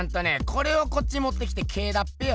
これをこっちもってきて「Ｋ」だっぺよ。